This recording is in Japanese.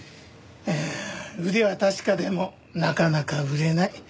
腕は確かでもなかなか売れない。